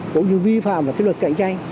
cũng như vi phạm vào cái luật cạnh tranh